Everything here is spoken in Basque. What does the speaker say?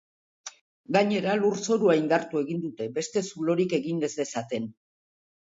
Gainera, lurzorua indartu egin dute, beste zulorik egin ez dezaten.